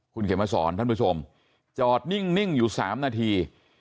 คุณเขียนมาสอนท่านผู้ชมจอดนิ่งอยู่๓นาที